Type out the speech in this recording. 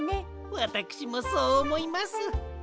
わたくしもそうおもいます。